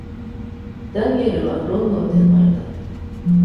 ダニエルはロンドンで生まれた。